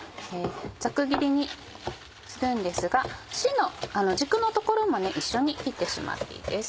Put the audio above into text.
ざく切りにするんですがしんの軸のところも一緒に切ってしまっていいです。